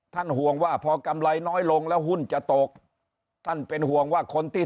ห่วงว่าพอกำไรน้อยลงแล้วหุ้นจะตกท่านเป็นห่วงว่าคนที่